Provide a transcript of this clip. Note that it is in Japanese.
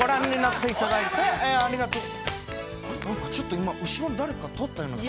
あれ何かちょっと今後ろに誰か通ったような気が。